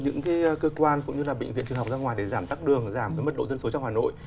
những cái cơ quan cũng như là bệnh viện trường học ra ngoài để giảm tắc đường giảm cái mật độ dân số trong hà nội